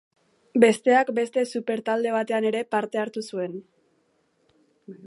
Besteak beste super-talde batean ere parte hartu zuen.